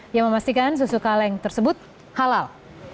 yang memastikan susu kaleng tersebut halal